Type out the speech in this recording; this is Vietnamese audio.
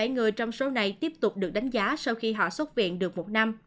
tám trăm linh bảy người trong số này tiếp tục được đánh giá sau khi họ xuất viện được một năm